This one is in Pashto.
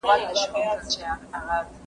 همزمانه څېړني کومي ستونزي رامنځته کولای سي؟